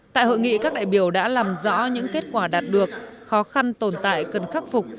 tại hội nghị các đại biểu đã làm rõ những kết quả đạt được khó khăn tồn tại cần khắc phục